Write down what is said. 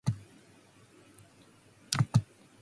The site has been affected in the past by ploughing.